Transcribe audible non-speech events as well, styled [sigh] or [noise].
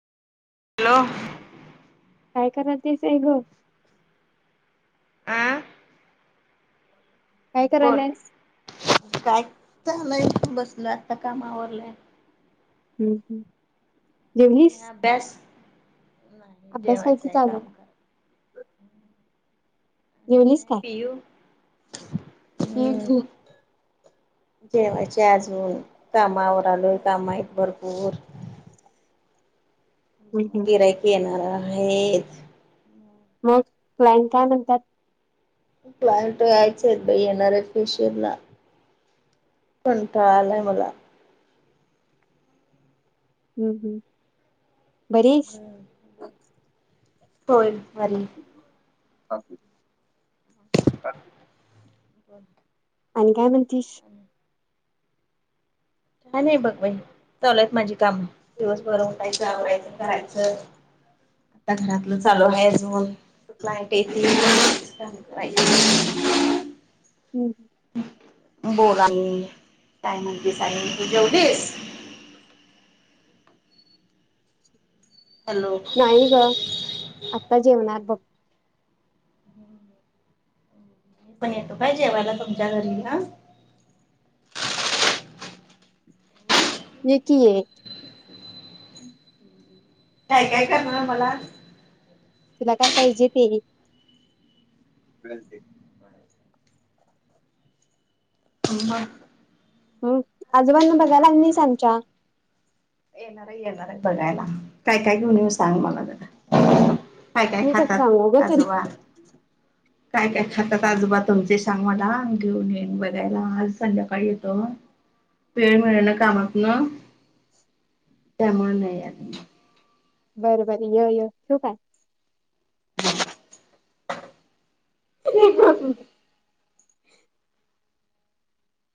Low काय करा तेचये ग अं काय करायलेस? झालंय बसलो आत्ता काम आवरलंय. हं-हं आणि भ्यास? नाही अभ्यास की जेवायचंय आहे चालू काम कर आणि काय पियु ती झोप जेवायचंय अजून कामं आवरलोय काम आहेत भरपूर गिऱ्हाईक येणार आहेत मग प्लॅन काय म्हणतात प्लॅन करायचेत बाई येणार आहे फेशियल ला कंटाळ आलाय मला हम्म हम् बरी आहेस होय अर ह ब आणि काय म्हणतीस काय नाही बघ बाई चालू आहेत माझी कामं दिवसभर उठायचं आवरायचं करायचं आता घरातलं चालू आहे अजून क्लायंट येतील [inaudible] हम्म बोला काय म्हणतीस आणि तू जेवलीस हॅलो मी नाही ग आता जेवणार बघ आम्ही पण येतो काय जेवायला तुमच्या घरी हां ये की ये काय काय करणार मला तुला काय पाहिजे ते [inaudible] हम हम् आजोबांना बघायला आली नाहीस आमच्या येणार येणार आहे बघायला काय काय घेऊन येऊ सांग मला जरा काय काय मी कसं सांगू ग खातात तुला आजोबा काय काय खातात आजोबा तुमचे सांग मला घेऊन येईन बघायला आज संध्याकाळी येतो हं वेळ मिळना कामातनं त्यामुळे नाही आले बर बर य य ठेऊ काय [inaudible]